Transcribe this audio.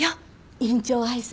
院長挨拶。